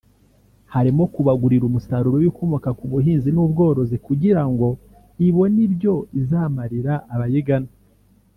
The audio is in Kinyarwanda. harimo kubagurira umusaruro w’ibikomoka ku buhinzi n’ubworozi kugira ngo ibone ibyo izamarira abayigana